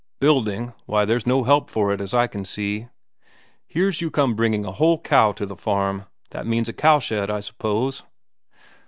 "Building why, there's no help for it as I can see.. Here's you come bringing a whole cow to the farm that means a cowshed, I suppose?"